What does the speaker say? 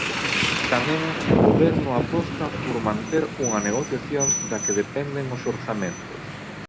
Tamén o goberno aposta por manter unha negociación da que dependen os orzamentos.